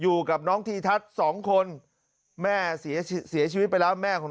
อยู่กับน้องทีทัศน์สองคนแม่เสียชีวิตไปแล้วแม่ของ